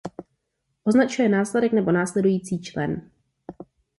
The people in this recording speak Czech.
Označuje následek nebo následující člen.